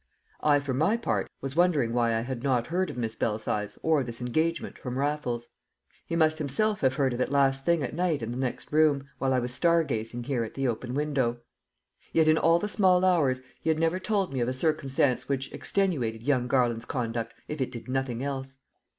I for my part was wondering why I had not heard of Miss Belsize or this engagement from Raffles. He must himself have heard of it last thing at night in the next room, while I was star gazing here at the open window. Yet in all the small hours he had never told me of a circumstance which extenuated young Garland's conduct if it did nothing else.